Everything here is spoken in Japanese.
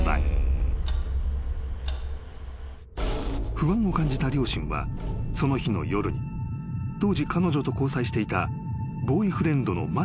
［不安を感じた両親はその日の夜に当時彼女と交際していたボーイフレンドのマンニに話を聞いた］